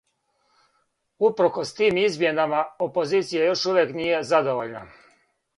Упркос тим измјенама, опозиција још увијек није задовољна.